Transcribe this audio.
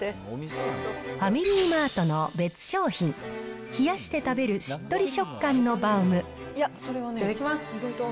ファミリーマートの別商品、冷やして食べるしっとり食感のバウムいただきます。